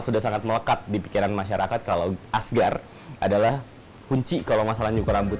sudah sangat melekat di pikiran masyarakat kalau asgar adalah kunci kalau masalah nyukur rambut